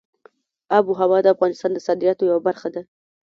آب وهوا د افغانستان د صادراتو یوه برخه ده.